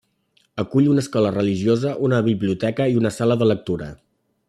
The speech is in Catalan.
Acull una escola religiosa, una biblioteca i una sala de lectura.